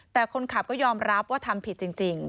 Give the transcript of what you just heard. แต่คนขับก็ยอมรับว่าทำผิดจริง